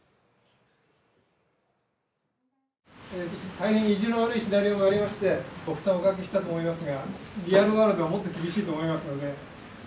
大変意地の悪いシナリオがありましてご負担をおかけしたと思いますがリアルワールドはもっと厳しいと思いますので。